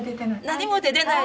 何も出てない。